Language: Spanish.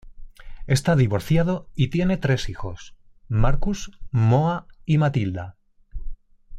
Está divorciado y tiene tres hijos: Marcus, Moa y Matilda.